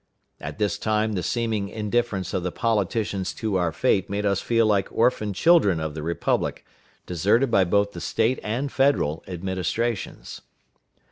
At this time the seeming indifference of the politicians to our fate made us feel like orphan children of the Republic, deserted by both the State and Federal administrations.